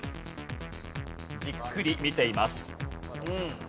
じっくり見ています。